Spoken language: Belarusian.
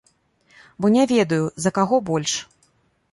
Бо не ведаю, за каго больш.